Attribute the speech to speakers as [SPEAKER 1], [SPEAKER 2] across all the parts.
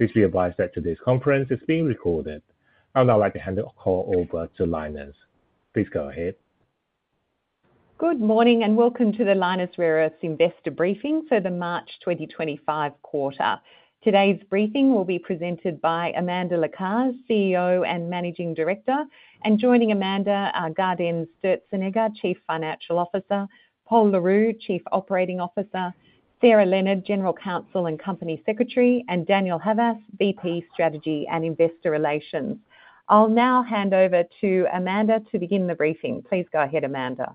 [SPEAKER 1] Please be advised that today's conference is being recorded, and I'd like to hand the call over to Lynas. Please go ahead. Good morning and welcome to the Lynas Rare Earths Investor Briefing for the March 2025 quarter. Today's briefing will be presented by Amanda Lacaze, CEO and Managing Director, and joining Amanda are Gaudenz Sturzenegger, Chief Financial Officer, Pol Le Roux, Chief Operating Officer, Sarah Leonard, General Counsel and Company Secretary, and Daniel Havas, VP, Strategy and Investor Relations. I'll now hand over to Amanda to begin the briefing. Please go ahead, Amanda.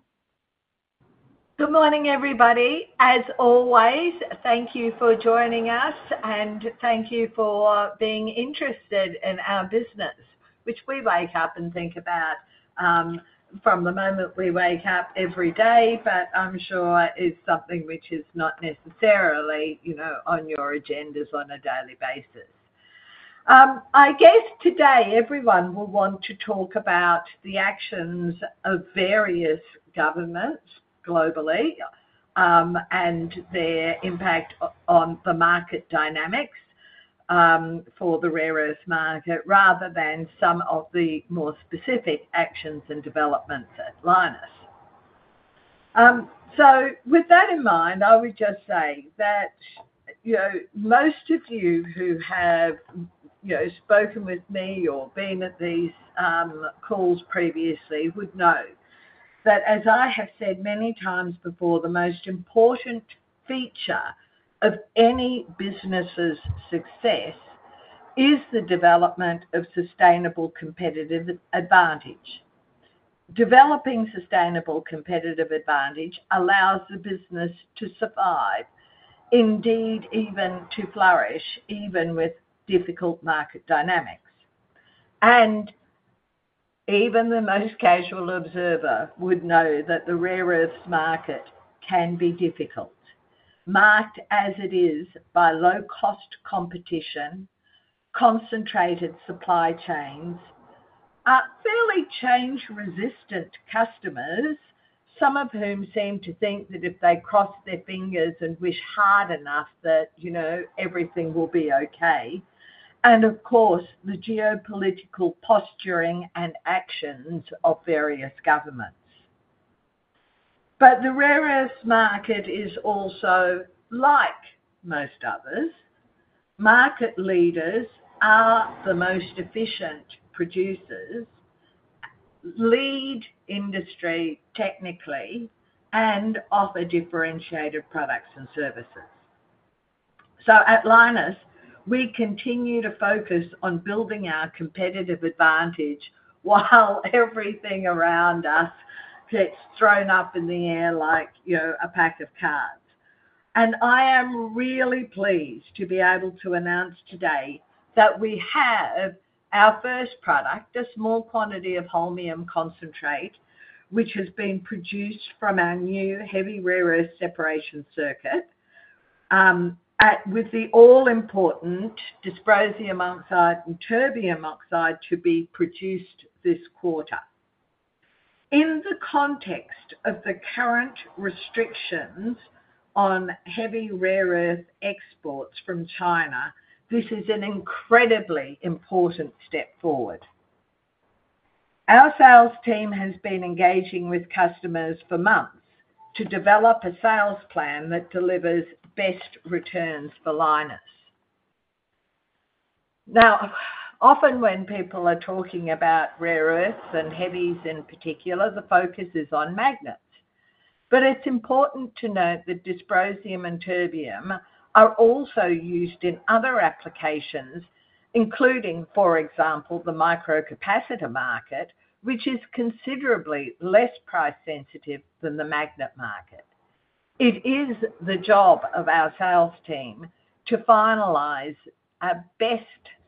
[SPEAKER 2] Good morning, everybody. As always, thank you for joining us, and thank you for being interested in our business, which we wake up and think about from the moment we wake up every day, but I'm sure is something which is not necessarily on your agendas on a daily basis. I guess today everyone will want to talk about the actions of various governments globally and their impact on the market dynamics for the rare earth market, rather than some of the more specific actions and developments at Lynas. With that in mind, I would just say that most of you who have spoken with me or been at these calls previously would know that, as I have said many times before, the most important feature of any business's success is the development of sustainable competitive advantage. Developing sustainable competitive advantage allows the business to survive, indeed even to flourish, even with difficult market dynamics. Even the most casual observer would know that the rare earths market can be difficult, marked as it is by low-cost competition, concentrated supply chains, fairly change-resistant customers, some of whom seem to think that if they cross their fingers and wish hard enough that everything will be okay, and of course the geopolitical posturing and actions of various governments. The rare earths market is also like most others. Market leaders are the most efficient producers, lead industry technically, and offer differentiated products and services. At Lynas, we continue to focus on building our competitive advantage while everything around us gets thrown up in the air like a pack of cards. I am really pleased to be able to announce today that we have our first product, a small quantity of holmium concentrate, which has been produced from our new heavy rare earth separation circuit, with the all-important dysprosium oxide and terbium oxide to be produced this quarter. In the context of the current restrictions on heavy rare earth exports from China, this is an incredibly important step forward. Our sales team has been engaging with customers for months to develop a sales plan that delivers best returns for Lynas. Now, often when people are talking about rare earths and heavies in particular, the focus is on magnets. It is important to note that dysprosium and terbium are also used in other applications, including, for example, the microcapacitor market, which is considerably less price-sensitive than the magnet market. It is the job of our sales team to finalize a best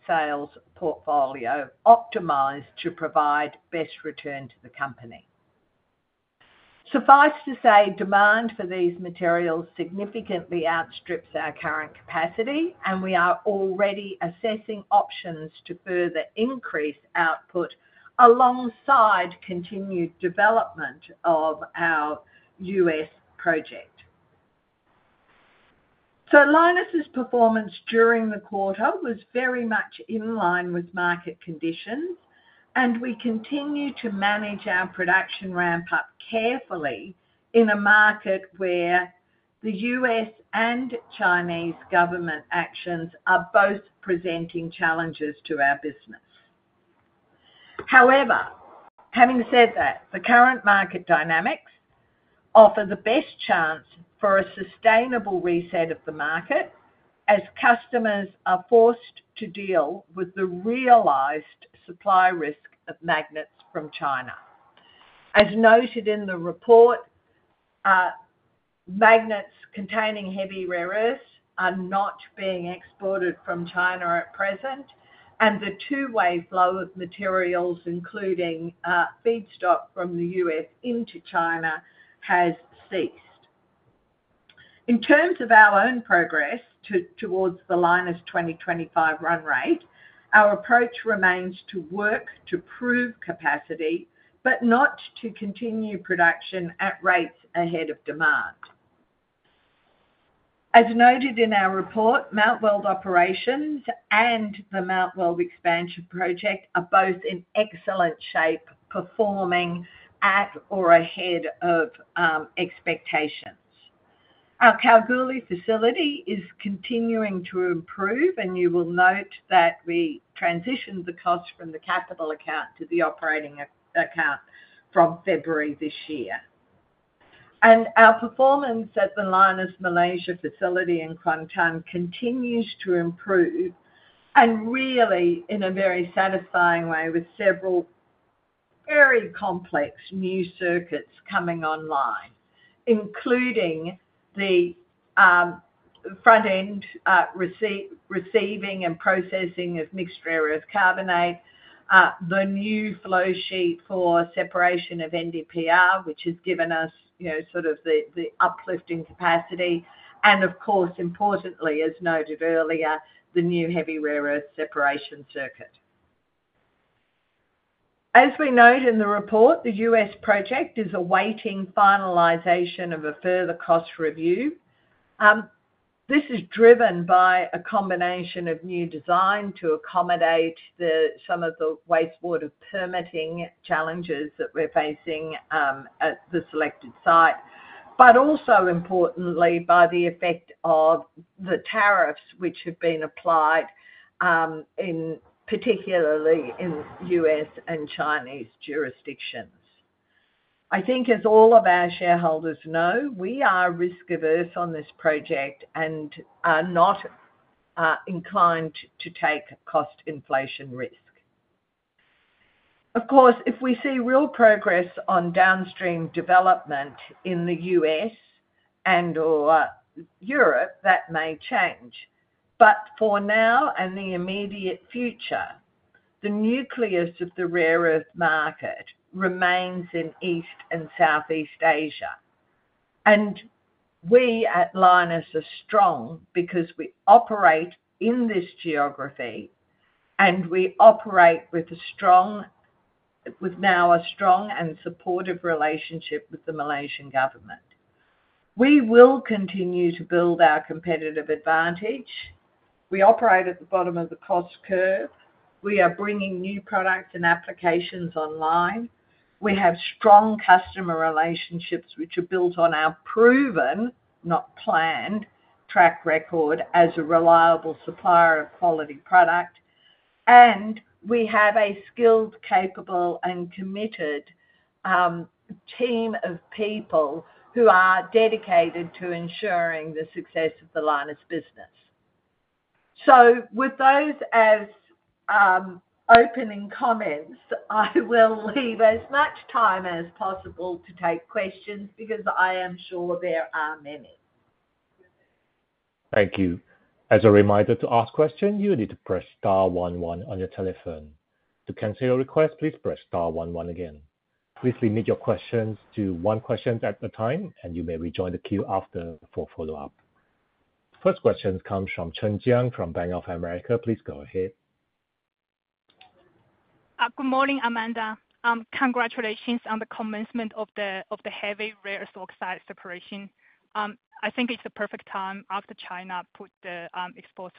[SPEAKER 2] sales portfolio optimized to provide best return to the company. Suffice to say, demand for these materials significantly outstrips our current capacity, and we are already assessing options to further increase output alongside continued development of our U.S. project. Lynas's performance during the quarter was very much in line with market conditions, and we continue to manage our production ramp-up carefully in a market where the U.S. and Chinese government actions are both presenting challenges to our business. However, having said that, the current market dynamics offer the best chance for a sustainable reset of the market as customers are forced to deal with the realized supply risk of magnets from China. As noted in the report, magnets containing heavy rare earths are not being exported from China at present, and the two-way flow of materials, including feedstock from the U.S. into China, has ceased. In terms of our own progress towards the Lynas 2025 run rate, our approach remains to work to prove capacity, but not to continue production at rates ahead of demand. As noted in our report, Mount Weld Operations and the Mount Weld Expansion Project are both in excellent shape, performing at or ahead of expectations. Our Kalgoorlie facility is continuing to improve, and you will note that we transitioned the cost from the capital account to the operating account from February this year. Our performance at the Lynas Malaysia facility in Kuantan continues to improve, and really in a very satisfying way with several very complex new circuits coming online, including the front-end receiving and processing of mixed rare earth carbonate, the new flow sheet for separation of NdPr, which has given us sort of the uplift in capacity, and of course, importantly, as noted earlier, the new heavy rare earth separation circuit. As we note in the report, the U.S. project is awaiting finalization of a further cost review. This is driven by a combination of new design to accommodate some of the wastewater permitting challenges that we're facing at the selected site, but also importantly by the effect of the tariffs which have been applied, particularly in U.S. and Chinese jurisdictions. I think as all of our shareholders know, we are risk averse on this project and are not inclined to take cost inflation risk. Of course, if we see real progress on downstream development in the U.S. and/or Europe, that may change. For now and the immediate future, the nucleus of the rare earth market remains in East and Southeast Asia. We at Lynas are strong because we operate in this geography, and we operate with now a strong and supportive relationship with the Malaysian government. We will continue to build our competitive advantage. We operate at the bottom of the cost curve. We are bringing new products and applications online. We have strong customer relationships which are built on our proven, not planned, track record as a reliable supplier of quality product. We have a skilled, capable, and committed team of people who are dedicated to ensuring the success of the Lynas business. With those as opening comments, I will leave as much time as possible to take questions because I am sure there are many.
[SPEAKER 1] Thank you. As a reminder to ask questions, you need to press star one one on your telephone. To cancel your request, please press star one one again. Please limit your questions to one question at a time, and you may rejoin the queue after for follow-up. First question comes from Chen Jiang from Bank of America. Please go ahead.
[SPEAKER 3] Good morning, Amanda. Congratulations on the commencement of the heavy rare earth oxide separation. I think it's the perfect time after China put the export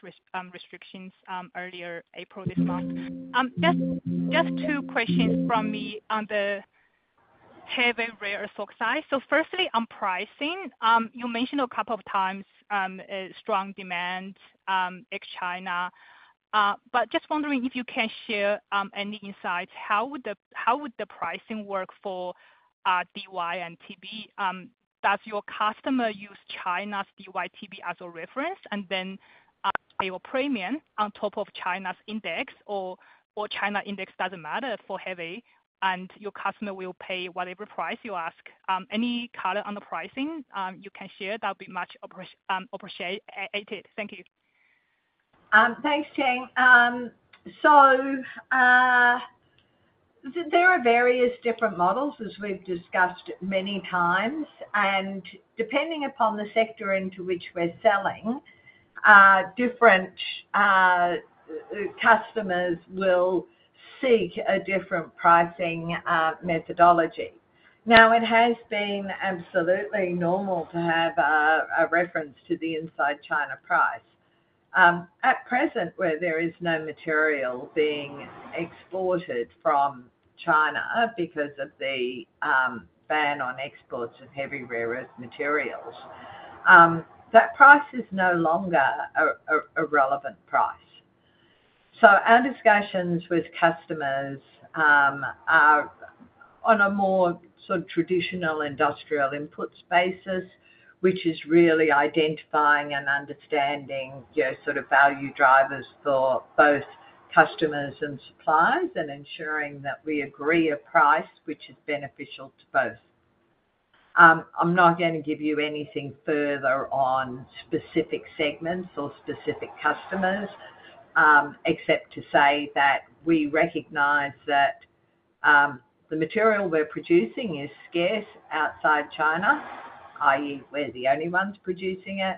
[SPEAKER 3] restrictions earlier April this month. Just two questions from me on the heavy rare earth oxide. Firstly, on pricing, you mentioned a couple of times strong demand ex-China. Just wondering if you can share any insights. How would the pricing work for Dy and Tb? Does your customer use China's DyTb as a reference, and then pay a premium on top of China's index, or China index doesn't matter for heavy, and your customer will pay whatever price you ask? Any color on the pricing you can share, that would be much appreciated. Thank you.
[SPEAKER 2] Thanks, Chen. There are various different models, as we've discussed many times. Depending upon the sector into which we're selling, different customers will seek a different pricing methodology. It has been absolutely normal to have a reference to the inside China price. At present, where there is no material being exported from China because of the ban on exports of heavy rare earth materials, that price is no longer a relevant price. Our discussions with customers are on a more sort of traditional industrial inputs basis, which is really identifying and understanding sort of value drivers for both customers and suppliers, and ensuring that we agree a price which is beneficial to both. I'm not going to give you anything further on specific segments or specific customers, except to say that we recognize that the material we're producing is scarce outside China, i.e., we're the only ones producing it,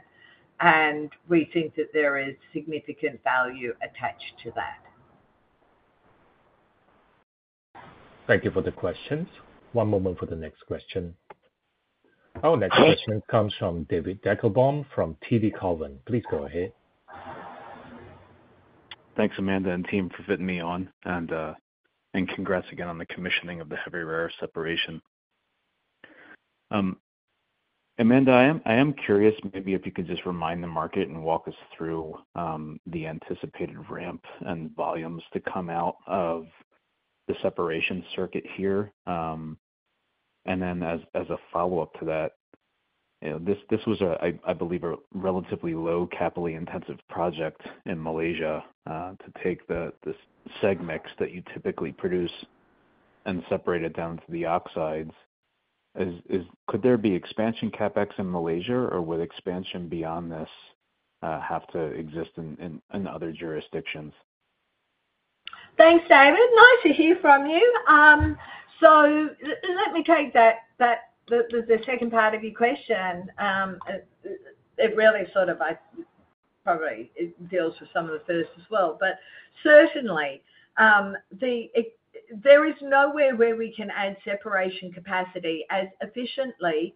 [SPEAKER 2] and we think that there is significant value attached to that.
[SPEAKER 1] Thank you for the questions. One moment for the next question. Our next question comes from David Deckelbaum from TD Cowen. Please go ahead.
[SPEAKER 4] Thanks, Amanda and team, for fitting me on, and congrats again on the commissioning of the heavy rare earth separation. Amanda, I am curious maybe if you could just remind the market and walk us through the anticipated ramp and volumes to come out of the separation circuit here. As a follow-up to that, this was, I believe, a relatively low-CapEx intensive project in Malaysia to take the SEG mix that you typically produce and separate it down to the oxides. Could there be expansion CapEx in Malaysia, or would expansion beyond this have to exist in other jurisdictions?
[SPEAKER 2] Thanks, David. Nice to hear from you. Let me take the second part of your question. It really sort of probably deals with some of the first as well. Certainly, there is nowhere where we can add separation capacity as efficiently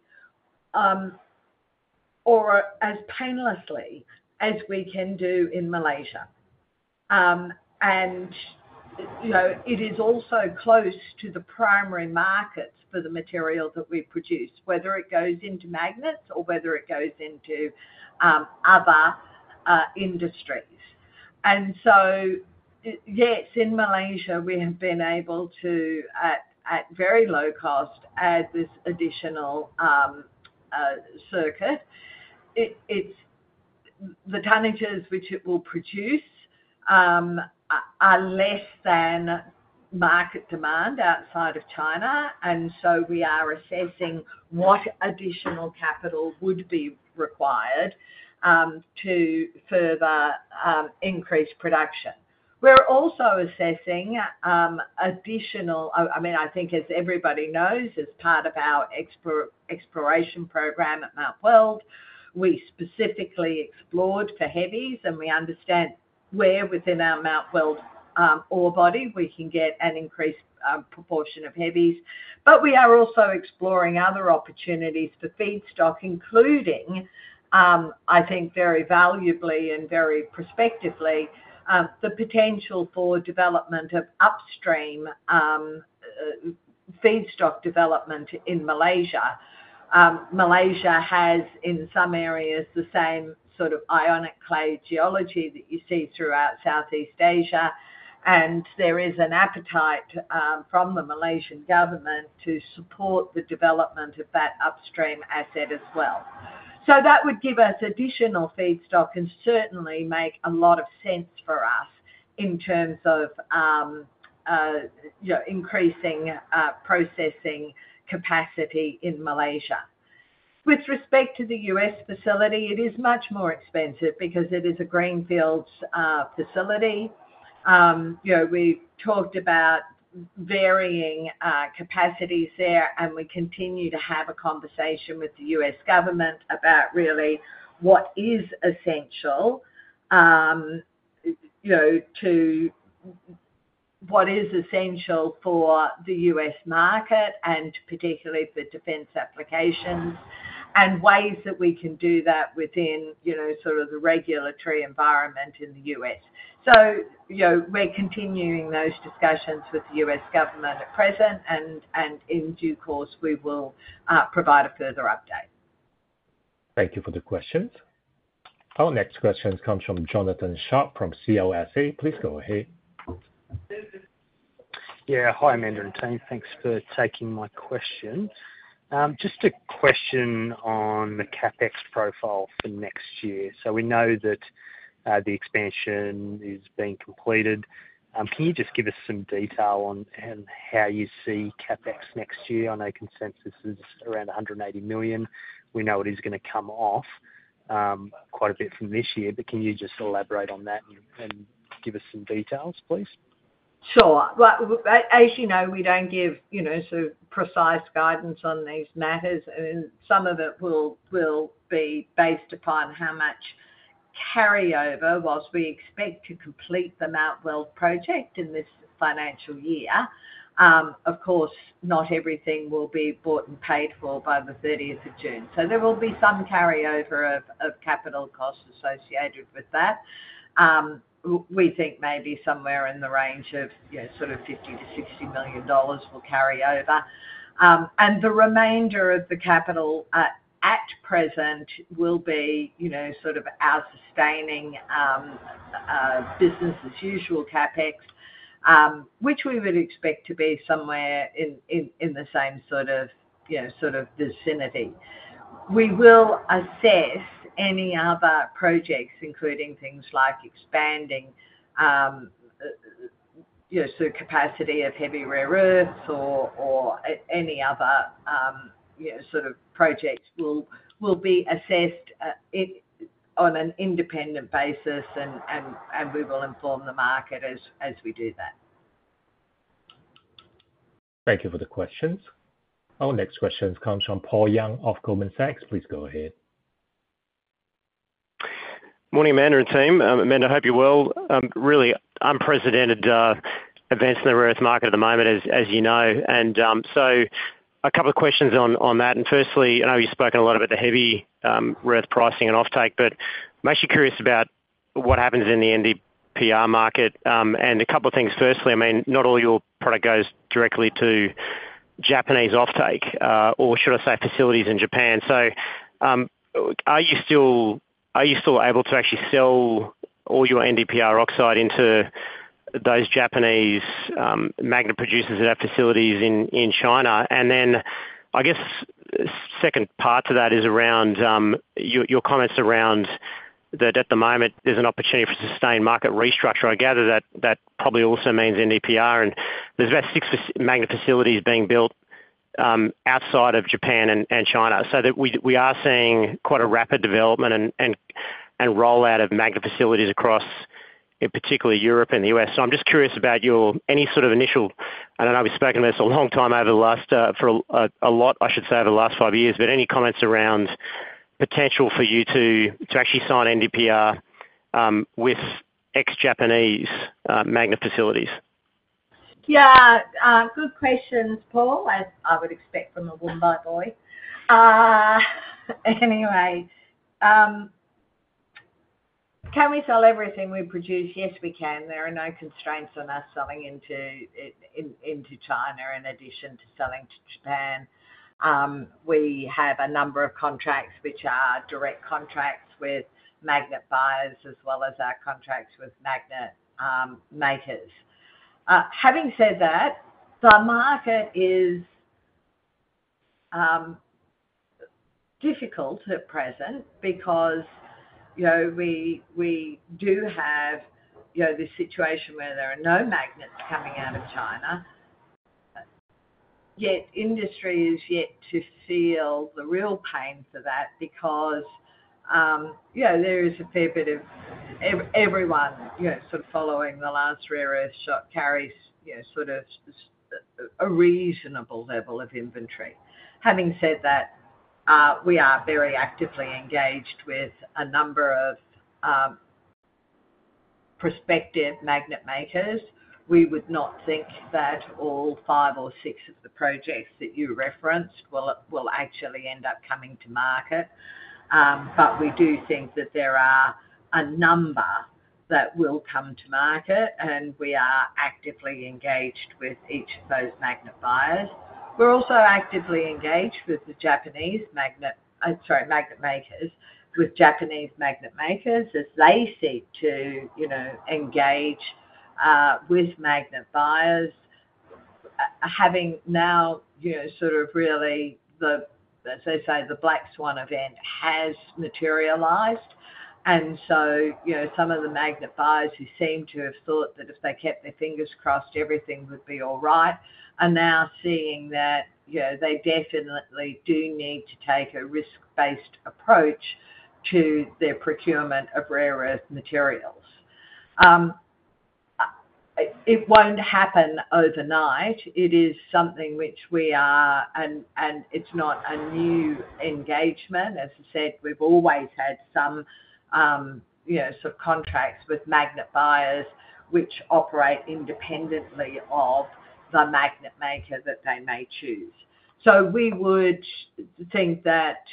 [SPEAKER 2] or as painlessly as we can do in Malaysia. It is also close to the primary markets for the material that we produce, whether it goes into magnets or whether it goes into other industries. Yes, in Malaysia, we have been able to, at very low cost, add this additional circuit. The tonnages which it will produce are less than market demand outside of China, and we are assessing what additional capital would be required to further increase production. We're also assessing additional, I mean, I think as everybody knows, as part of our exploration program at Mount Weld, we specifically explored for heavies, and we understand where within our Mount Weld ore body we can get an increased proportion of heavies. I mean, we are also exploring other opportunities for feedstock, including, I think very valuably and very prospectively, the potential for development of upstream feedstock development in Malaysia. Malaysia has in some areas the same sort of ionic clay geology that you see throughout Southeast Asia, and there is an appetite from the Malaysian government to support the development of that upstream asset as well. That would give us additional feedstock and certainly make a lot of sense for us in terms of increasing processing capacity in Malaysia. With respect to the U.S. facility, it is much more expensive because it is a greenfield facility. We've talked about varying capacities there, and we continue to have a conversation with the U.S. government about really what is essential to what is essential for the U.S. market, and particularly for defense applications, and ways that we can do that within sort of the regulatory environment in the U.S. We are continuing those discussions with the U.S. government at present, and in due course, we will provide a further update.
[SPEAKER 1] Thank you for the questions. Our next question comes from Jonathan Sharp from CLSA. Please go ahead.
[SPEAKER 5] Yeah. Hi, Amanda and team. Thanks for taking my question. Just a question on the CapEx profile for next year. We know that the expansion is being completed. Can you just give us some detail on how you see CapEx next year? I know consensus is around 180 million. We know it is going to come off quite a bit from this year, but can you just elaborate on that and give us some details, please?
[SPEAKER 2] Sure. As you know, we do not give sort of precise guidance on these matters, and some of it will be based upon how much carryover whilst we expect to complete the Mount Weld project in this financial year. Of course, not everything will be bought and paid for by the 30th of June. There will be some carryover of capital costs associated with that. We think maybe somewhere in the range of 50 million-60 million dollars will carry over. The remainder of the capital at present will be sort of our sustaining business as usual CapEx, which we would expect to be somewhere in the same sort of vicinity. We will assess any other projects, including things like expanding the capacity of heavy rare earths or any other sort of projects, will be assessed on an independent basis, and we will inform the market as we do that.
[SPEAKER 1] Thank you for the questions. Our next question comes from Paul Young of Goldman Sachs. Please go ahead.
[SPEAKER 6] Morning, Amanda and team. Amanda, I hope you're well. Really, I'm president of Advancing the Rare Earth Market at the moment, as you know. A couple of questions on that. Firstly, I know you've spoken a lot about the heavy rare earth pricing and offtake, but I'm actually curious about what happens in the NdPr market. A couple of things. Firstly, I mean, not all your product goes directly to Japanese offtake, or should I say facilities in Japan. Are you still able to actually sell all your NdPr oxide into those Japanese magnet producers at our facilities in China? I guess the second part to that is around your comments around that at the moment there's an opportunity for sustained market restructure. I gather that probably also means NdPr, and there's about six magnet facilities being built outside of Japan and China. We are seeing quite a rapid development and rollout of magnet facilities across particularly Europe and the U.S. I'm just curious about any sort of initial, and I know we've spoken about this a lot over the last five years, but any comments around potential for you to actually sign NdPr with ex-Japanese magnet facilities?
[SPEAKER 2] Yeah. Good questions, Paul, as I would expect from a WA boy. Anyway, can we sell everything we produce? Yes, we can. There are no constraints on us selling into China in addition to selling to Japan. We have a number of contracts which are direct contracts with magnet buyers as well as our contracts with magnet makers. Having said that, the market is difficult at present because we do have this situation where there are no magnets coming out of China. Yet industry is yet to feel the real pain for that because there is a fair bit of everyone sort of following the last rare earth shot carries sort of a reasonable level of inventory. Having said that, we are very actively engaged with a number of prospective magnet makers. We would not think that all five or six of the projects that you referenced will actually end up coming to market. We do think that there are a number that will come to market, and we are actively engaged with each of those magnet buyers. We are also actively engaged with Japanese magnet makers as they seek to engage with magnet buyers, having now sort of really, as they say, the black swan event has materialized. Some of the magnet buyers who seem to have thought that if they kept their fingers crossed, everything would be all right, are now seeing that they definitely do need to take a risk-based approach to their procurement of rare earth materials. It will not happen overnight. It is something which we are, and it is not a new engagement. As I said, we've always had some sort of contracts with magnet buyers which operate independently of the magnet maker that they may choose. We would think that,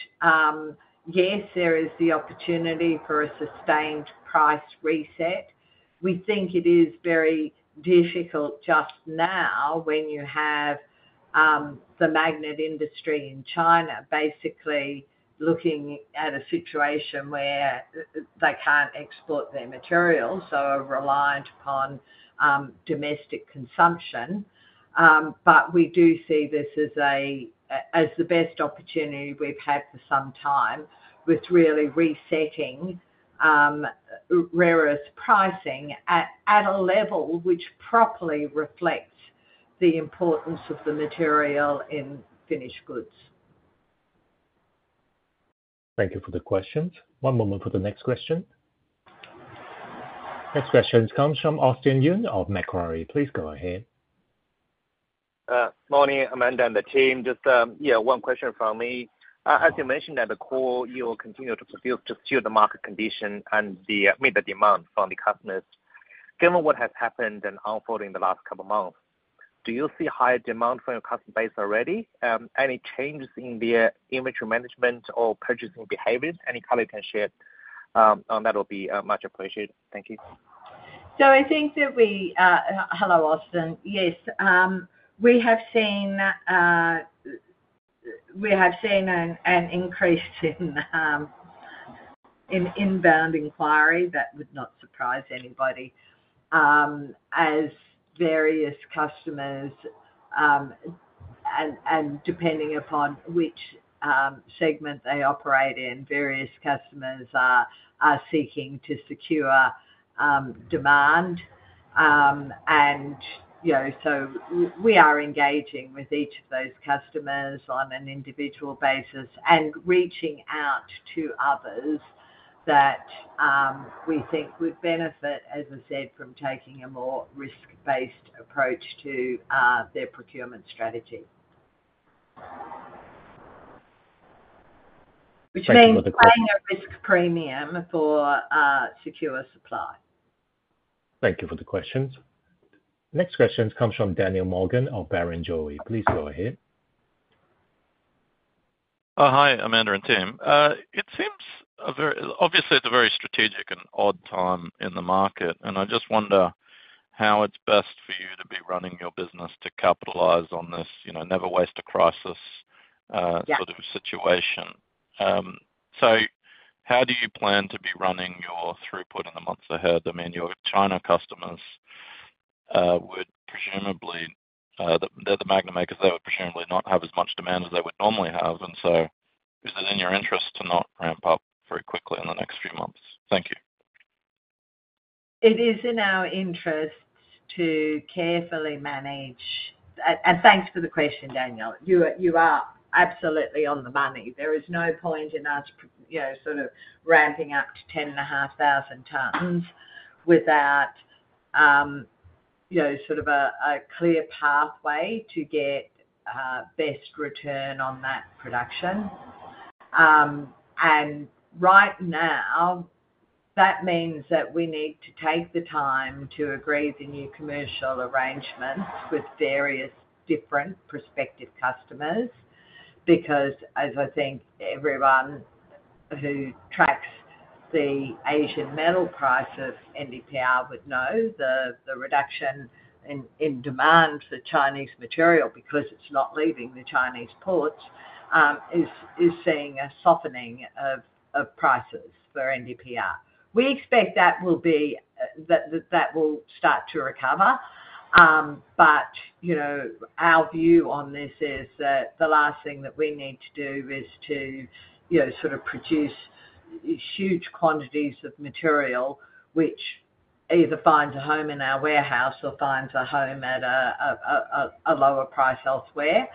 [SPEAKER 2] yes, there is the opportunity for a sustained price reset. We think it is very difficult just now when you have the magnet industry in China basically looking at a situation where they can't export their materials, so are reliant upon domestic consumption. We do see this as the best opportunity we've had for some time with really resetting rare earth pricing at a level which properly reflects the importance of the material in finished goods.
[SPEAKER 1] Thank you for the questions. One moment for the next question. Next question comes from Austin Yun of Macquarie. Please go ahead.
[SPEAKER 7] Morning, Amanda and the team. Just one question from me. As you mentioned at the call, you will continue to produce to suit the market condition and meet the demand from the customers. Given what has happened and unfolding the last couple of months, do you see higher demand from your customer base already? Any changes in their inventory management or purchasing behaviors? Any color you can share on that will be much appreciated. Thank you.
[SPEAKER 2] I think that we, hello, Austin. Yes. We have seen an increase in inbound inquiry. That would not surprise anybody. As various customers, and depending upon which segment they operate in, various customers are seeking to secure demand. We are engaging with each of those customers on an individual basis and reaching out to others that we think would benefit, as I said, from taking a more risk-based approach to their procurement strategy.
[SPEAKER 1] Thank you.
[SPEAKER 2] Which means paying a risk premium for secure supply.
[SPEAKER 1] Thank you for the questions. Next question comes from Daniel Morgan of Barrenjoey. Please go ahead.
[SPEAKER 8] Hi, Amanda and team. It seems obviously it's a very strategic and odd time in the market, and I just wonder how it's best for you to be running your business to capitalize on this never-waste-a-crisis sort of situation. How do you plan to be running your throughput in the months ahead? I mean, your China customers would presumably the magnet makers, they would presumably not have as much demand as they would normally have. Is it in your interest to not ramp up very quickly in the next few months? Thank you.
[SPEAKER 2] It is in our interest to carefully manage. Thanks for the question, Daniel. You are absolutely on the money. There is no point in us sort of ramping up to 10,500 tons without sort of a clear pathway to get best return on that production. Right now, that means that we need to take the time to agree the new commercial arrangements with various different prospective customers because, as I think everyone who tracks the Asian Metal price of NdPr would know, the reduction in demand for Chinese material because it's not leaving the Chinese ports is seeing a softening of prices for NdPr. We expect that will start to recover. Our view on this is that the last thing that we need to do is to sort of produce huge quantities of material which either finds a home in our warehouse or finds a home at a lower price elsewhere.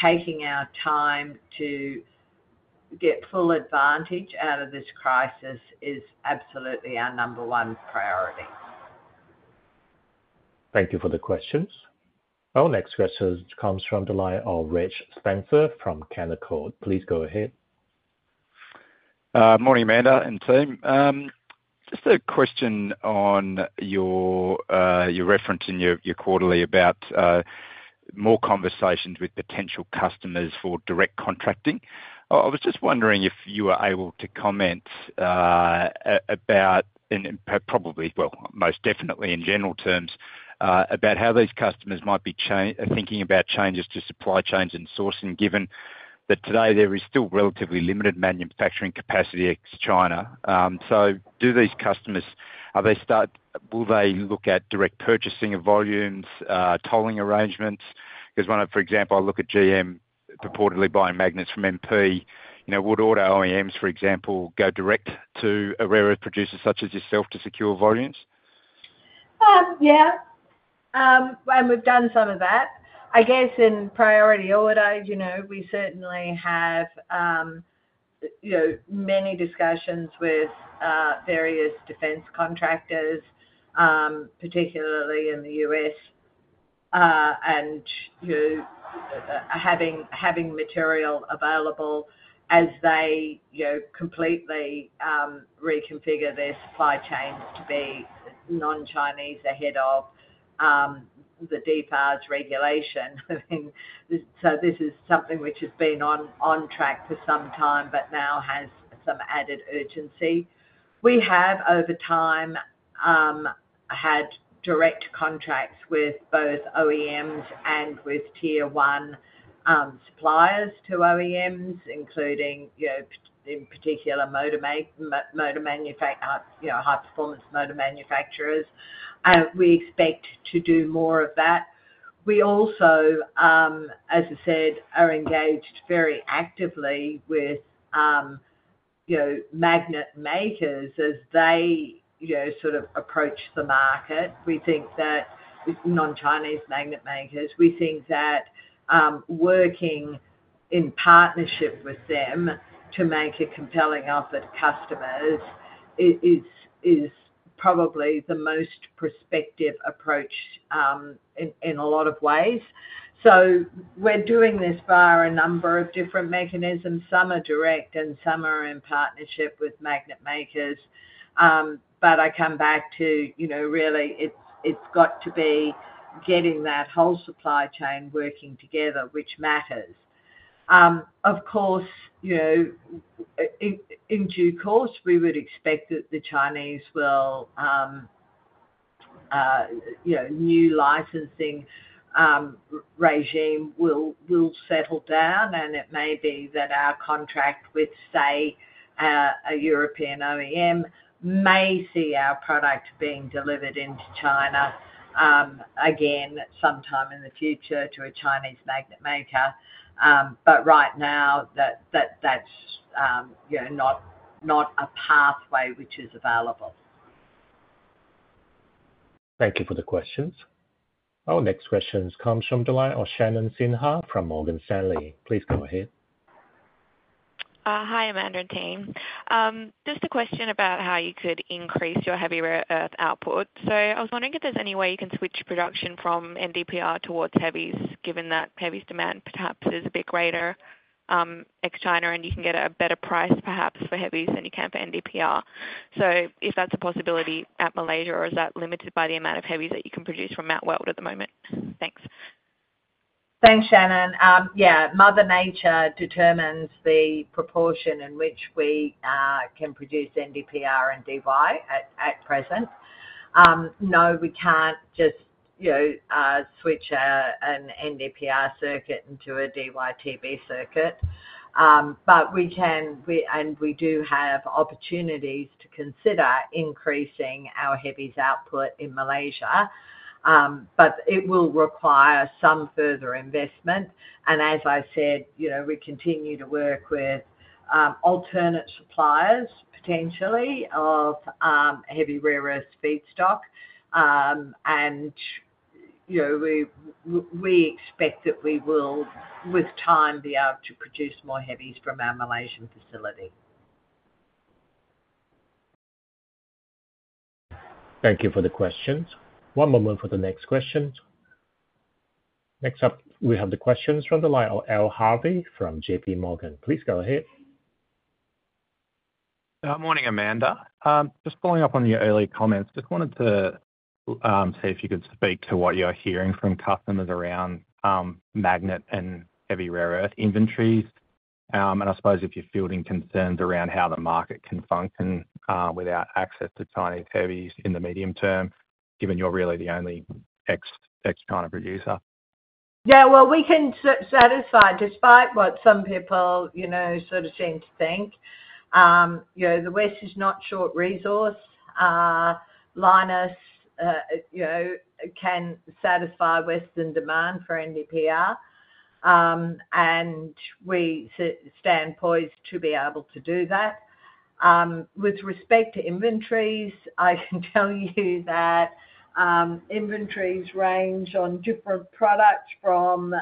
[SPEAKER 2] Taking our time to get full advantage out of this crisis is absolutely our number one priority.
[SPEAKER 1] Thank you for the questions. Our next question comes from the line of Reg Spencer from Canaccord. Please go ahead.
[SPEAKER 9] Morning, Amanda and team. Just a question on your referencing your quarterly about more conversations with potential customers for direct contracting. I was just wondering if you were able to comment about, and probably, most definitely in general terms, about how these customers might be thinking about changes to supply chains and sourcing, given that today there is still relatively limited manufacturing capacity ex-China. Do these customers, will they look at direct purchasing of volumes, tolling arrangements? For example, I look at GM purportedly buying magnets from MP. Would other OEMs, for example, go direct to a rare earth producer such as yourself to secure volumes?
[SPEAKER 2] Yeah. We have done some of that. I guess in priority order, we certainly have many discussions with various defense contractors, particularly in the U.S., and having material available as they completely reconfigure their supply chains to be non-Chinese ahead of the DFARS regulation. This is something which has been on track for some time but now has some added urgency. We have, over time, had direct contracts with both OEMs and with tier one suppliers to OEMs, including in particular high-performance motor manufacturers. We expect to do more of that. We also, as I said, are engaged very actively with magnet makers as they sort of approach the market. We think that non-Chinese magnet makers, we think that working in partnership with them to make a compelling offer to customers is probably the most prospective approach in a lot of ways. We are doing this via a number of different mechanisms. Some are direct, and some are in partnership with magnet makers. I come back to really it's got to be getting that whole supply chain working together, which matters. Of course, in due course, we would expect that the Chinese new licensing regime will settle down, and it may be that our contract with, say, a European OEM may see our product being delivered into China again sometime in the future to a Chinese magnet maker. Right now, that's not a pathway which is available.
[SPEAKER 1] Thank you for the questions. Our next question comes from the line of Shannon Sinha from Morgan Stanley. Please go ahead.
[SPEAKER 10] Hi, Amanda and team. Just a question about how you could increase your heavy rare earth output. I was wondering if there's any way you can switch production from NdPr towards heavies, given that heavy demand perhaps is a bit greater ex-China, and you can get a better price perhaps for heavies than you can for NdPr. If that's a possibility at Malaysia, or is that limited by the amount of heavies that you can produce from Mount Weld at the moment? Thanks.
[SPEAKER 2] Thanks, Shannon. Yeah. Mother Nature determines the proportion in which we can produce NdPr and Dy at present. No, we can't just switch an NdPr circuit into a DyTb circuit. We can, and we do have opportunities to consider increasing our heavy output in Malaysia. It will require some further investment. As I said, we continue to work with alternate suppliers potentially of heavy rare earth feedstock. We expect that we will, with time, be able to produce more heavies from our Malaysian facility.
[SPEAKER 1] Thank you for the questions. One moment for the next questions. Next up, we have the questions from the line of Al Harvey from JPMorgan. Please go ahead.
[SPEAKER 11] Morning, Amanda. Just following up on your earlier comments, just wanted to see if you could speak to what you're hearing from customers around magnet and heavy rare earth inventories. I suppose if you're fielding concerns around how the market can function without access to Chinese heavies in the medium term, given you're really the only ex-China producer.
[SPEAKER 2] Yeah. We can satisfy, despite what some people sort of seem to think. The West is not short resource. Lynas can satisfy Western demand for NdPr. We stand poised to be able to do that. With respect to inventories, I can tell you that inventories range on different products from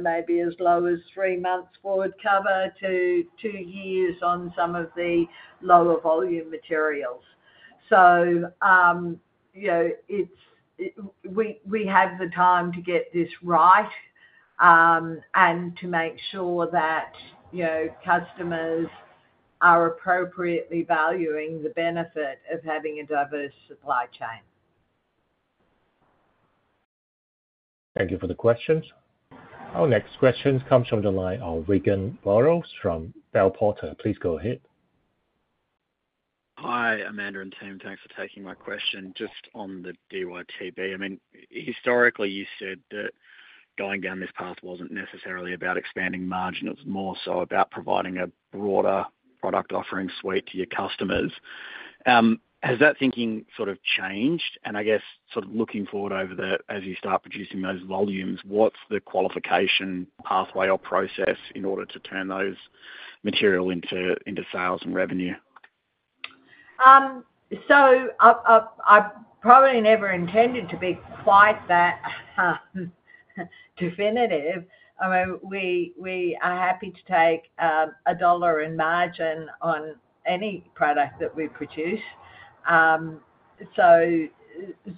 [SPEAKER 2] maybe as low as three months forward cover to two years on some of the lower volume materials. We have the time to get this right and to make sure that customers are appropriately valuing the benefit of having a diverse supply chain.
[SPEAKER 1] Thank you for the questions. Our next questions come from Regan Burrows from Bell Potter. Please go ahead.
[SPEAKER 12] Hi, Amanda and team. Thanks for taking my question. Just on the DyTb, I mean, historically, you said that going down this path was not necessarily about expanding margin. It is more so about providing a broader product offering suite to your customers. Has that thinking sort of changed? I guess sort of looking forward over there as you start producing those volumes, what is the qualification pathway or process in order to turn those material into sales and revenue?
[SPEAKER 2] I probably never intended to be quite that definitive. I mean, we are happy to take a dollar in margin on any product that we produce.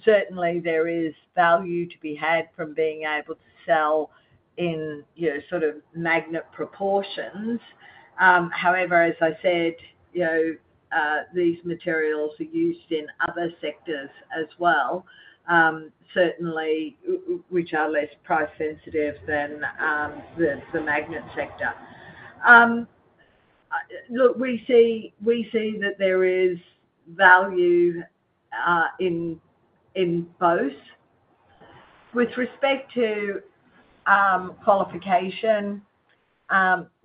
[SPEAKER 2] Certainly, there is value to be had from being able to sell in sort of magnet proportions. However, as I said, these materials are used in other sectors as well, certainly, which are less price-sensitive than the magnet sector. Look, we see that there is value in both. With respect to qualification,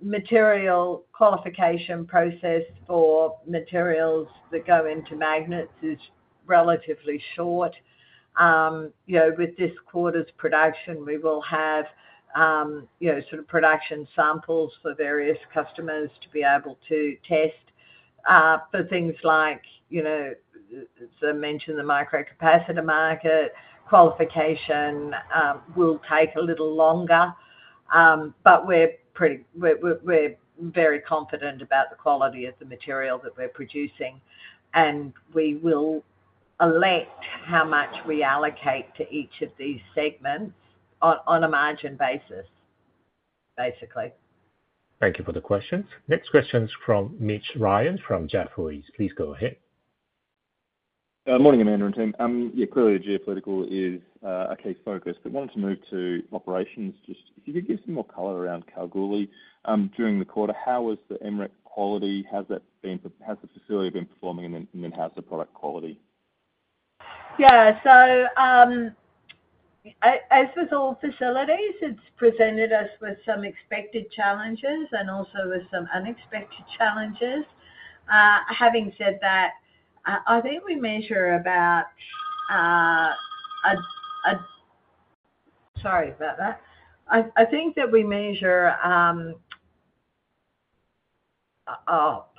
[SPEAKER 2] material qualification process for materials that go into magnets is relatively short. With this quarter's production, we will have sort of production samples for various customers to be able to test for things like, as I mentioned, the microcapacitor market. Qualification will take a little longer. We are very confident about the quality of the material that we are producing. We will elect how much we allocate to each of these segments on a margin basis, basically.
[SPEAKER 1] Thank you for the questions. Next question is from Mitch Ryan from Jefferies. Please go ahead.
[SPEAKER 13] Morning, Amanda and team. Yeah, clearly, geopolitical is a key focus. Just wanted to move to operations. If you could give some more color around Kalgoorlie during the quarter, how was the MREC quality? How's the facility been performing? How's the product quality?
[SPEAKER 2] Yeah. As with all facilities, it's presented us with some expected challenges and also with some unexpected challenges. Having said that, I think we measure about—I think that we measure—oh,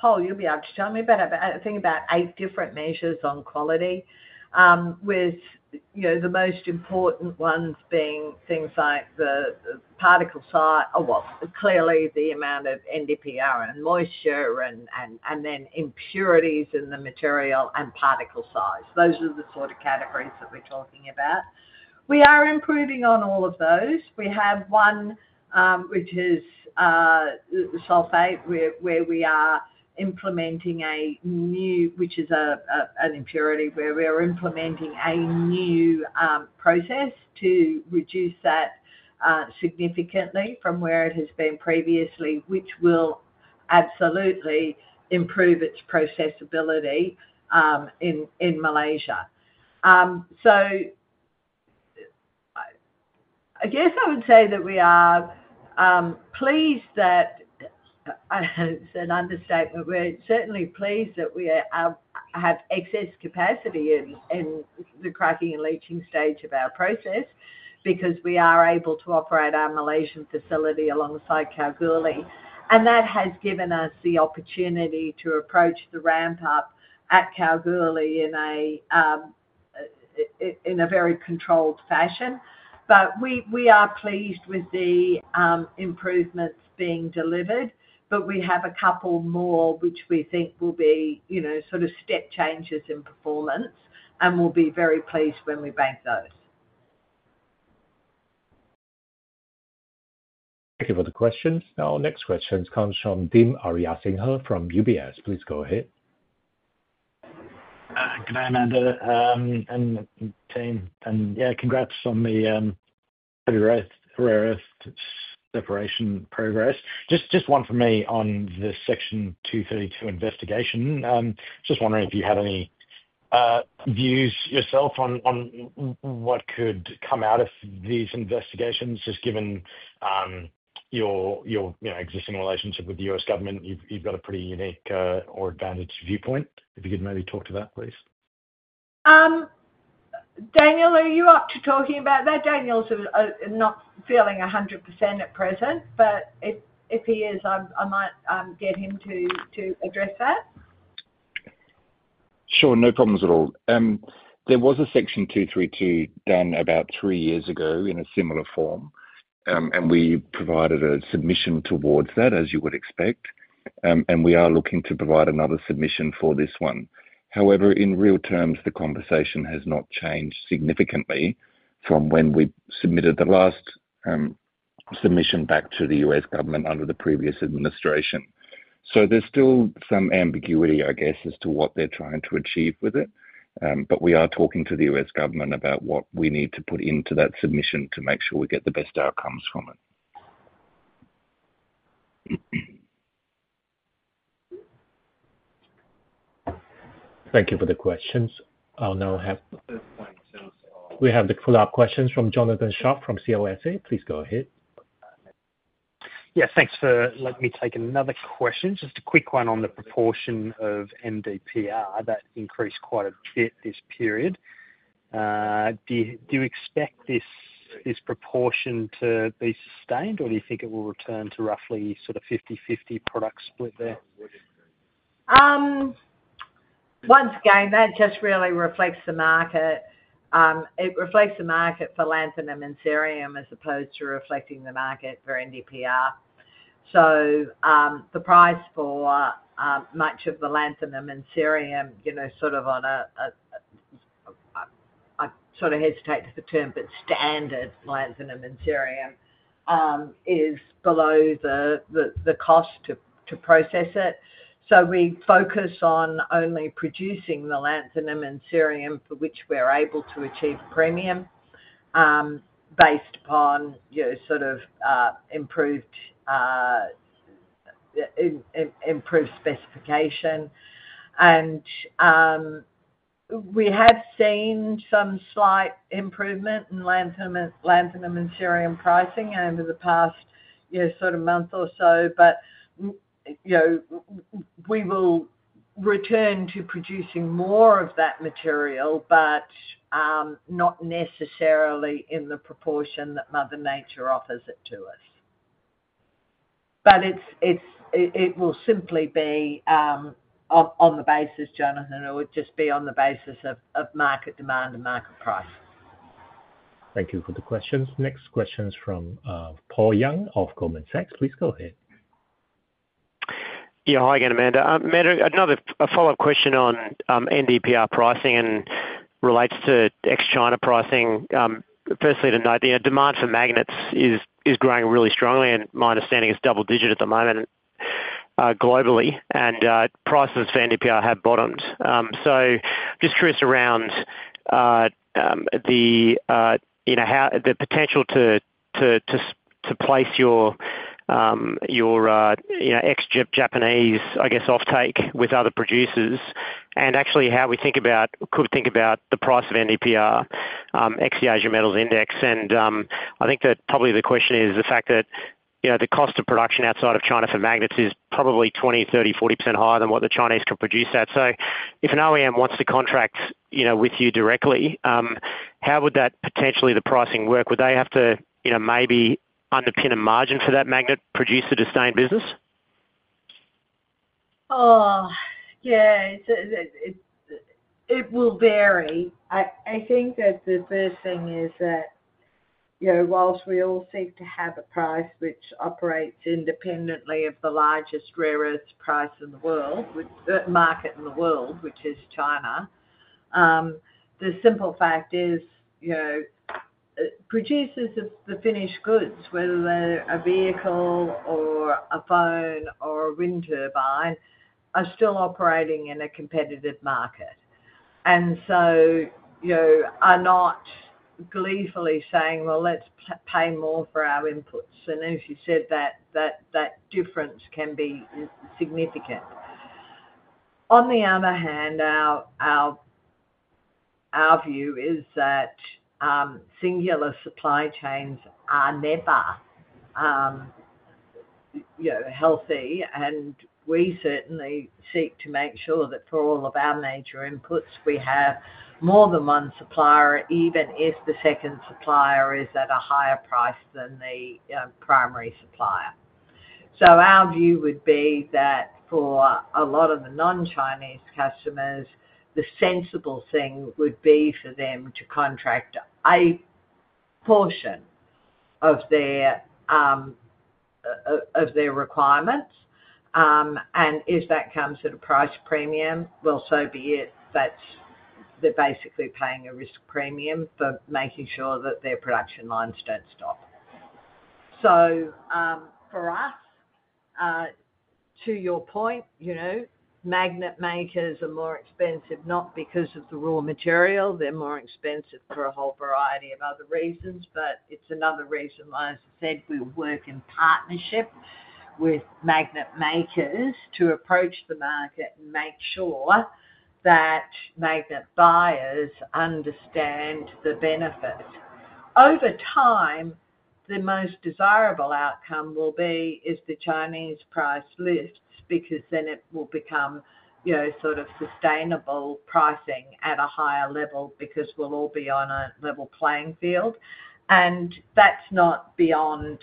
[SPEAKER 2] Paul, you'll be able to tell me about it, but I think about eight different measures on quality, with the most important ones being things like the particle size, or, clearly, the amount of NdPr and moisture and then impurities in the material and particle size. Those are the sort of categories that we're talking about. We are improving on all of those. We have one which is sulfate, which is an impurity, where we are implementing a new process to reduce that significantly from where it has been previously, which will absolutely improve its processability in Malaysia. I guess I would say that we are pleased that, it's an understatement, we're certainly pleased that we have excess capacity in the cracking and leaching stage of our process because we are able to operate our Malaysian facility alongside Kalgoorlie. That has given us the opportunity to approach the ramp-up at Kalgoorlie in a very controlled fashion. We are pleased with the improvements being delivered. We have a couple more which we think will be sort of step changes in performance, and we'll be very pleased when we bank those.
[SPEAKER 1] Thank you for the questions. Our next questions come from Dim Ariyasinghe from UBS. Please go ahead.
[SPEAKER 14] Good day, Amanda and team. Yeah, congrats on the heavy rare earth separation progress. Just one for me on the Section 232 investigation. Just wondering if you have any views yourself on what could come out of these investigations, just given your existing relationship with the U.S. government. You've got a pretty unique or advantage viewpoint. If you could maybe talk to that, please?
[SPEAKER 2] Daniel, are you up to talking about that? Daniel's not feeling 100% at present. If he is, I might get him to address that.
[SPEAKER 15] Sure. No problems at all. There was a Section 232 done about three years ago in a similar form. We provided a submission towards that, as you would expect. We are looking to provide another submission for this one. However, in real terms, the conversation has not changed significantly from when we submitted the last submission back to the U.S. government under the previous administration. There is still some ambiguity, I guess, as to what they are trying to achieve with it. We are talking to the U.S. government about what we need to put into that submission to make sure we get the best outcomes from it.
[SPEAKER 1] Thank you for the questions. I will now have the follow-up questions from Jonathan Sharp from CLSA. Please go ahead.
[SPEAKER 5] Yes. Thanks for letting me take another question. Just a quick one on the proportion of NdPr that increased quite a bit this period. Do you expect this proportion to be sustained, or do you think it will return to roughly sort of 50/50 product split there?
[SPEAKER 2] Once again, that just really reflects the market. It reflects the market for lanthanum and cerium as opposed to reflecting the market for NdPr. The price for much of the lanthanum and cerium, sort of on a—I sort of hesitate to use the term, but standard lanthanum and cerium, is below the cost to process it. We focus on only producing the lanthanum and cerium for which we are able to achieve a premium based upon sort of improved specification. We have seen some slight improvement in lanthanum and cerium pricing over the past sort of month or so. We will return to producing more of that material, but not necessarily in the proportion that Mother Nature offers it to us. It will simply be on the basis, Jonathan, or it would just be on the basis of market demand and market price.
[SPEAKER 1] Thank you for the questions. Next question is from Paul Young of Goldman Sachs. Please go ahead.
[SPEAKER 6] Yeah. Hi again, Amanda. Amanda, another follow-up question on NdPr pricing and relates to ex-China pricing. Firstly, the demand for magnets is growing really strongly, and my understanding is double-digit at the moment globally. Prices for NdPr have bottomed. Just curious around the potential to place your ex-Japanese, I guess, offtake with other producers and actually how we could think about the price of NdPr, ex-Asian Metal Index. I think that probably the question is the fact that the cost of production outside of China for magnets is probably 20%-30%-40% higher than what the Chinese can produce at. If an OEM wants to contract with you directly, how would that potentially the pricing work? Would they have to maybe underpin a margin for that magnet producer to stay in business?
[SPEAKER 2] Yeah. It will vary. I think that the first thing is that whilst we all seek to have a price which operates independently of the largest rare earth price in the world, market in the world, which is China, the simple fact is producers of the finished goods, whether they're a vehicle or a phone or a wind turbine, are still operating in a competitive market. They are not gleefully saying, "Well, let's pay more for our inputs." As you said, that difference can be significant. On the other hand, our view is that singular supply chains are never healthy. We certainly seek to make sure that for all of our major inputs, we have more than one supplier, even if the second supplier is at a higher price than the primary supplier. Our view would be that for a lot of the non-Chinese customers, the sensible thing would be for them to contract a portion of their requirements. If that comes at a price premium, so be it. They're basically paying a risk premium for making sure that their production lines don't stop. For us, to your point, magnet makers are more expensive not because of the raw material. They're more expensive for a whole variety of other reasons. It is another reason why, as I said, we work in partnership with magnet makers to approach the market and make sure that magnet buyers understand the benefit. Over time, the most desirable outcome will be if the Chinese price lifts because then it will become sort of sustainable pricing at a higher level because we'll all be on a level playing field. That is not beyond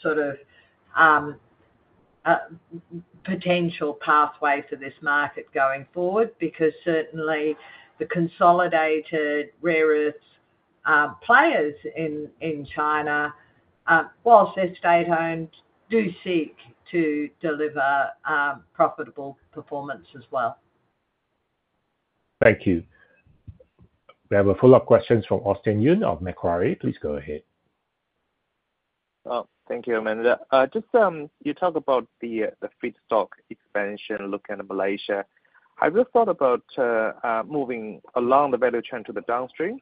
[SPEAKER 2] sort of potential pathway for this market going forward because certainly the consolidated rare earth players in China, whilst they are state-owned, do seek to deliver profitable performance as well.
[SPEAKER 1] Thank you. We have a follow-up question from Austin Yun of Macquarie. Please go ahead.
[SPEAKER 7] Thank you, Amanda. Just you talk about the feedstock expansion looking at Malaysia. Have you thought about moving along the value chain to the downstream?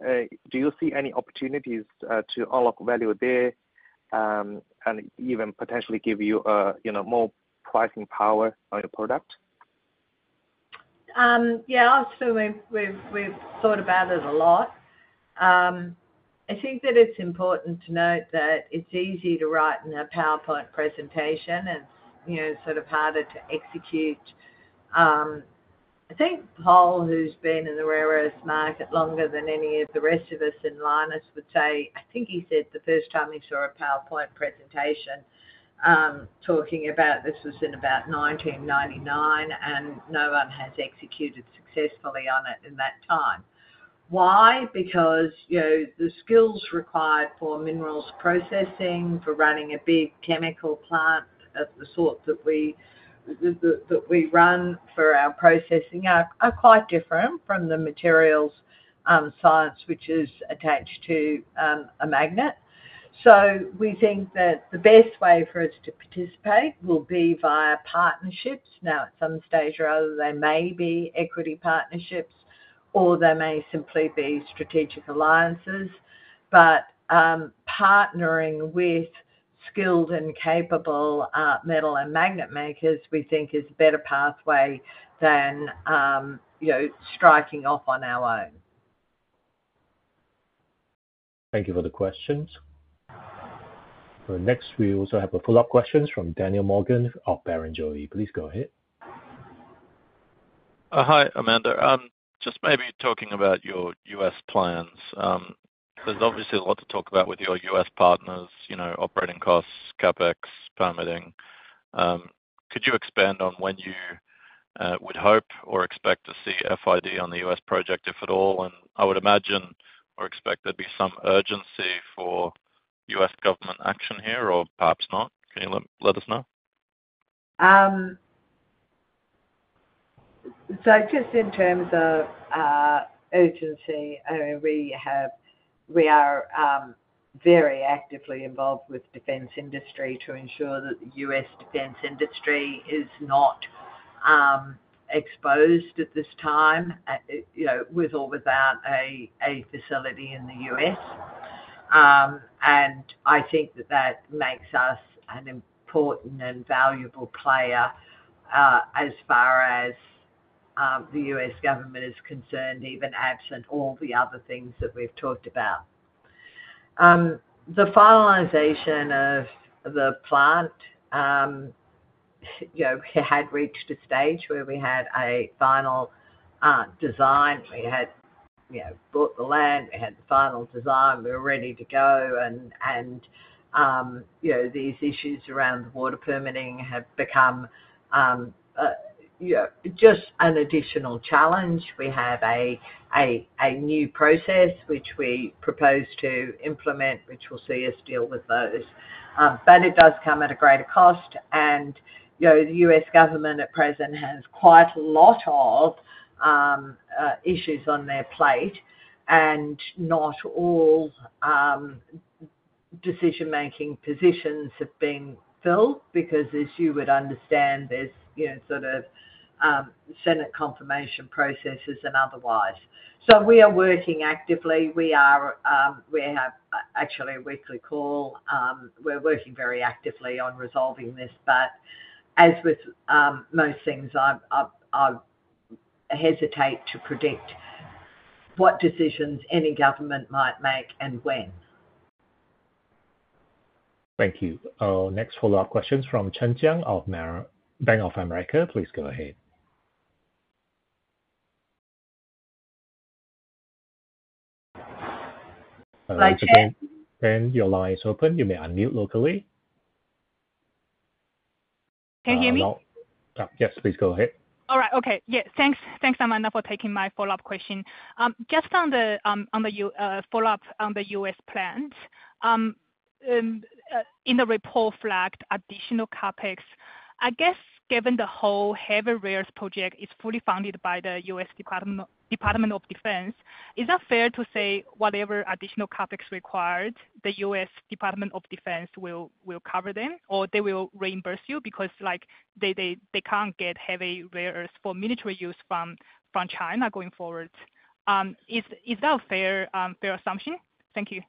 [SPEAKER 7] Do you see any opportunities to unlock value there and even potentially give you more pricing power on your product?
[SPEAKER 2] Yeah. I certainly we've thought about it a lot. I think that it's important to note that it's easy to write in a PowerPoint presentation. It's sort of harder to execute. I think Paul, who's been in the rare earth market longer than any of the rest of us in Lynas, would say I think he said the first time he saw a PowerPoint presentation talking about this was in about 1999, and no one has executed successfully on it in that time. Why? Because the skills required for minerals processing, for running a big chemical plant of the sort that we run for our processing are quite different from the materials science which is attached to a magnet. We think that the best way for us to participate will be via partnerships. Now, at some stage, rather, there may be equity partnerships, or there may simply be strategic alliances. Partnering with skilled and capable metal and magnet makers, we think, is a better pathway than striking off on our own.
[SPEAKER 1] Thank you for the questions. Next, we also have a follow-up question from Daniel Morgan of Barrenjoey. Please go ahead.
[SPEAKER 8] Hi, Amanda. Just maybe talking about your U.S. plans. There is obviously a lot to talk about with your U.S. partners: operating costs, CapEx, permitting. Could you expand on when you would hope or expect to see FID on the U.S. project, if at all? I would imagine or expect there would be some urgency for U.S. government action here, or perhaps not. Can you let us know?
[SPEAKER 2] Just in terms of urgency, we are very actively involved with defense industry to ensure that the U.S. defense industry is not exposed at this time with or without a facility in the U.S. I think that that makes us an important and valuable player as far as the U.S. government is concerned, even absent all the other things that we've talked about. The finalization of the plant had reached a stage where we had a final design. We had bought the land. We had the final design. We were ready to go. These issues around the water permitting have become just an additional challenge. We have a new process which we propose to implement, which will see us deal with those. It does come at a greater cost. The U.S. government at present has quite a lot of issues on their plate. Not all decision-making positions have been filled because, as you would understand, there's sort of Senate confirmation processes and otherwise. We are working actively. We have actually a weekly call. We're working very actively on resolving this. As with most things, I hesitate to predict what decisions any government might make and when.
[SPEAKER 1] Thank you. Next follow-up question is from Chen Jiang of Bank of America. Please go ahead. Your line is open. You may unmute locally.
[SPEAKER 3] Can you hear me?
[SPEAKER 1] Yes. Please go ahead.
[SPEAKER 3] All right. Okay. Yeah. Thanks, Amanda, for taking my follow-up question. Just on the follow-up on the U.S. plans, in the report flagged additional CapEx. I guess given the whole heavy rare earth project is fully funded by the U.S. Department of Defense, is it fair to say whatever additional CapEx required, the U.S. Department of Defense will cover them, or they will reimburse you because they can't get heavy rare earth for military use from China going forward? Is that a fair assumption? Thank you.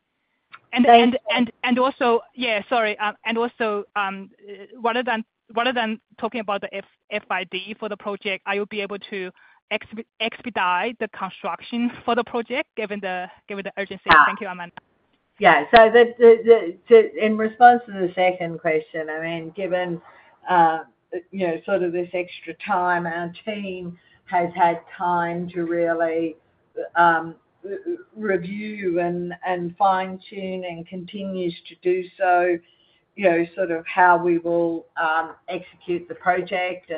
[SPEAKER 3] Yeah, sorry. Also, rather than talking about the FID for the project, will you be able to expedite the construction for the project given the urgency? Thank you, Amanda.
[SPEAKER 2] Yeah. In response to the second question, I mean, given sort of this extra time, our team has had time to really review and fine-tune and continues to do so sort of how we will execute the project.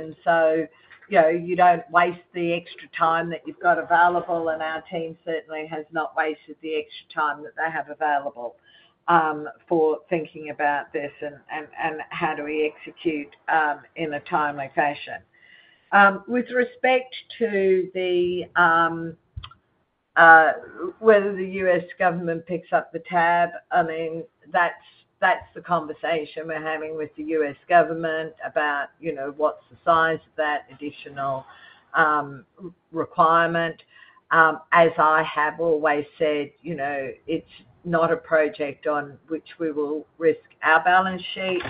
[SPEAKER 2] You do not waste the extra time that you have got available. Our team certainly has not wasted the extra time that they have available for thinking about this and how do we execute in a timely fashion. With respect to whether the U.S. government picks up the tab, I mean, that is the conversation we are having with the U.S. government about what is the size of that additional requirement. As I have always said, it is not a project on which we will risk our balance sheet.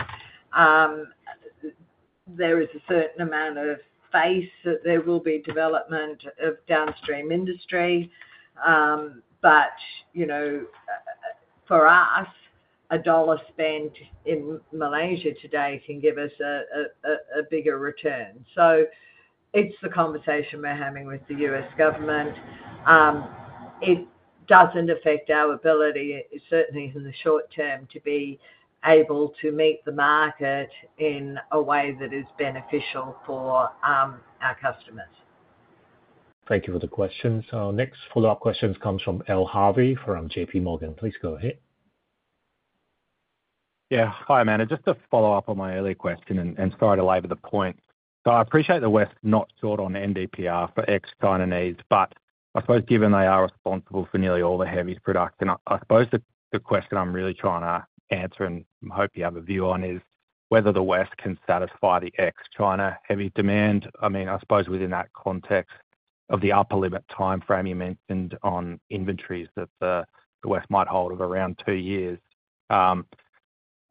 [SPEAKER 2] There is a certain amount of faith that there will be development of downstream industry. For us, a dollar spent in Malaysia today can give us a bigger return. It is the conversation we are having with the U.S. government. It does not affect our ability, certainly in the short term, to be able to meet the market in a way that is beneficial for our customers.
[SPEAKER 1] Thank you for the questions. Our next follow-up question comes from Al Harvey from JPMorgan. Please go ahead.
[SPEAKER 11] Yeah. Hi, Amanda. Just to follow up on my earlier question and sorry to belabor the point. I appreciate the West not short on NdPr for ex-Chinese, but I suppose given they are responsible for nearly all the heavy products, and I suppose the question I'm really trying to answer and hope you have a view on is whether the West can satisfy the ex-China heavy demand. I mean, I suppose within that context of the upper limit timeframe you mentioned on inventories that the West might hold of around two years,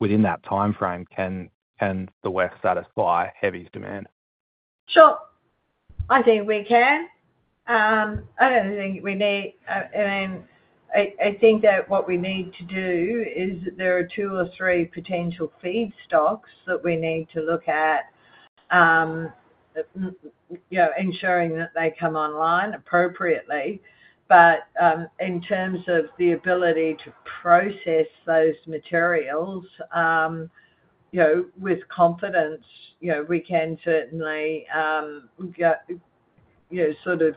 [SPEAKER 11] within that timeframe, can the West satisfy heavy demand?
[SPEAKER 2] Sure. I think we can. I don't think we need, I mean, I think that what we need to do is there are two or three potential feedstocks that we need to look at, ensuring that they come online appropriately. In terms of the ability to process those materials with confidence, we can certainly sort of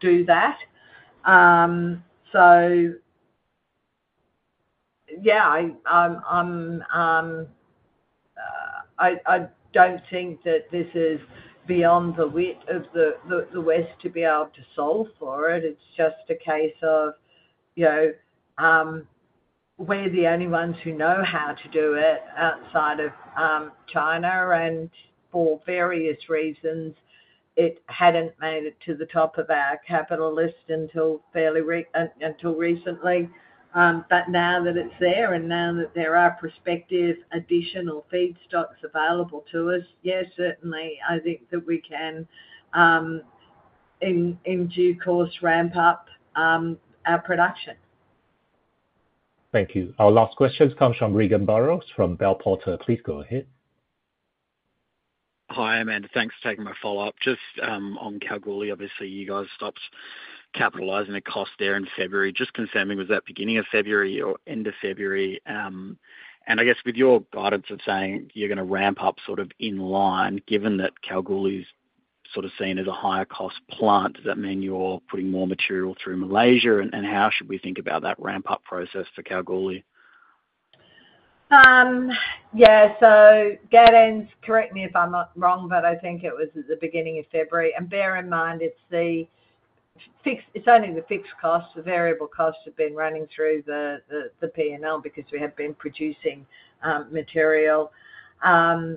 [SPEAKER 2] do that. Yeah, I don't think that this is beyond the wit of the West to be able to solve for it. It's just a case of we're the only ones who know how to do it outside of China. For various reasons, it hadn't made it to the top of our capital list until recently. Now that it's there and now that there are prospective additional feedstocks available to us, yes, certainly, I think that we can, in due course, ramp up our production.
[SPEAKER 1] Thank you. Our last questions come from Regan Burrows from Bell Potter. Please go ahead.
[SPEAKER 16] Hi, Amanda. Thanks for taking my follow-up. Just on Kalgoorlie, obviously, you guys stopped capitalizing the cost there in February. Just confirming, was that beginning of February or end of February? I guess with your guidance of saying you're going to ramp up sort of in line, given that Kalgoorlie is sort of seen as a higher-cost plant, does that mean you're putting more material through Malaysia? How should we think about that ramp-up process for Kalgoorlie?
[SPEAKER 2] Yeah. Gaudenz, correct me if I'm wrong, but I think it was at the beginning of February. Bear in mind, it's only the fixed costs. The variable costs have been running through the P&L because we have been producing material. The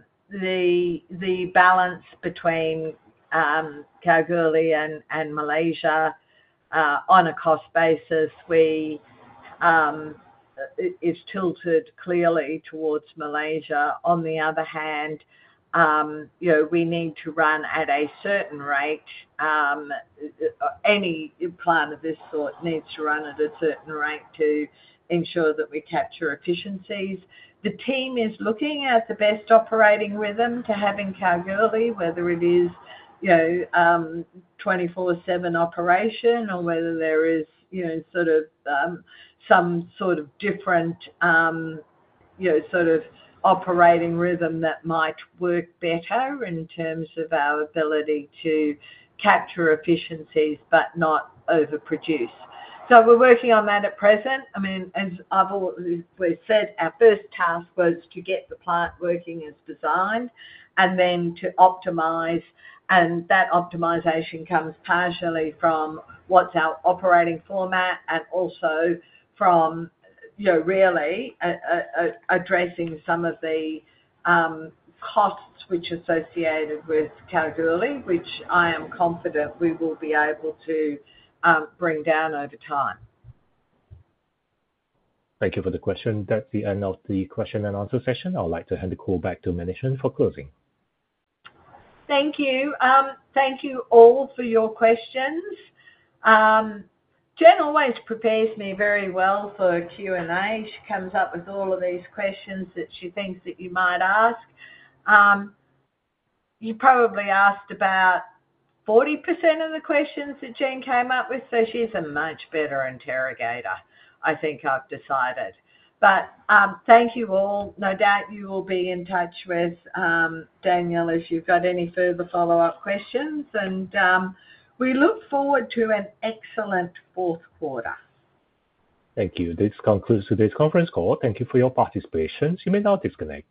[SPEAKER 2] balance between Kalgoorlie and Malaysia on a cost basis is tilted clearly towards Malaysia. On the other hand, we need to run at a certain rate. Any plant of this sort needs to run at a certain rate to ensure that we capture efficiencies. The team is looking at the best operating rhythm to have in Kalgoorlie, whether it is 24/7 operation or whether there is some sort of different sort of operating rhythm that might work better in terms of our ability to capture efficiencies but not overproduce. We are working on that at present.I mean, as we've said, our first task was to get the plant working as designed and then to optimize. That optimization comes partially from what's our operating format and also from really addressing some of the costs which are associated with Kalgoorlie, which I am confident we will be able to bring down over time.
[SPEAKER 1] Thank you for the question. That's the end of the question and answer session. I'd like to hand the call back to Amanda for closing.
[SPEAKER 2] Thank you. Thank you all for your questions. Jen always prepares me very well for Q&A. She comes up with all of these questions that she thinks that you might ask. You probably asked about 40% of the questions that Jen came up with. She is a much better interrogator, I think I have decided. Thank you all. No doubt you will be in touch with Daniel if you have got any further follow-up questions. We look forward to an excellent fourth quarter.
[SPEAKER 1] Thank you. This concludes today's conference call. Thank you for your participation. You may now disconnect.